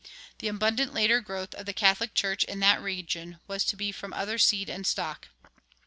The abundant later growth of the Catholic Church in that region was to be from other seed and stock.